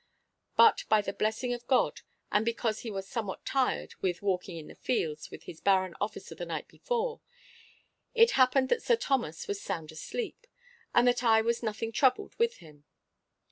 But by the blessing of God, and because he was somewhat tired with walking in the fields with his baron officer the night before, it happened that Sir Thomas was sound asleep, so that I was nothing troubled with him.